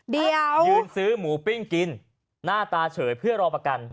เดี๋ยวยืนซื้อหมูปิ้งกินหน้าตาเฉยเพื่อรอประกัน